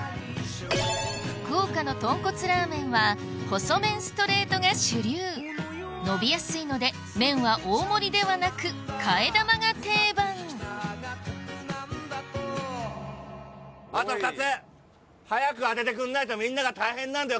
福岡の豚骨ラーメンは細麺ストレートが主流のびやすいので麺は大盛りではなく替え玉が定番早く当ててくんないとみんなが大変なんだよ